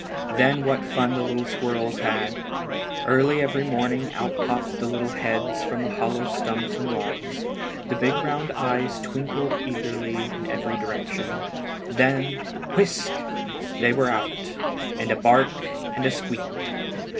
Then what fun the little squirrels had! Early every morning out popped the little heads from the hollow stumps and logs. The big round eyes twinkled eagerly in every direction. Then, whisk! they were out, with a bark and a squeak!